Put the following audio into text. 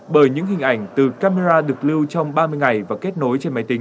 bởi những hình ảnh từ camera được lưu trong ba mươi ngày và kết nối trên máy tính